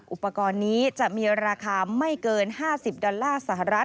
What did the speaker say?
อุปกรณ์นี้จะมีราคาไม่เกิน๕๐ดอลลาร์สหรัฐ